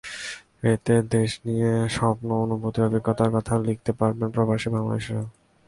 এতে দেশ নিয়ে স্বপ্ন, অনুভূতি, অভিজ্ঞতার কথা লিখতে পারবেন প্রবাসী বাংলাদেশিরা।